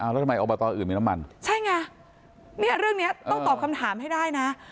แล้วทำไมอบตอื่นมีน้ำมันใช่ไงเนี่ยเรื่องนี้ต้องตอบคำถามให้ได้นะ